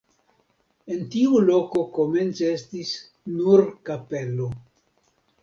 En tiu loko komence estis nur kapelo.